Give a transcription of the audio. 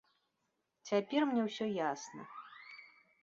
Цяпер мне ўсё ясна.